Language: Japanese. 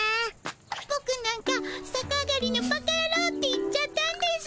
ボクなんか「さか上がりのバカやろう」って言っちゃったんです。